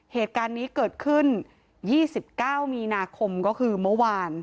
เหตุการณ์นี้เกิดขึ้นยี่สิบเก้ามีนาคมก็คือเมื่อวาน